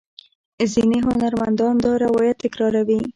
ځینې هنرمندان دا روایت تکراروي.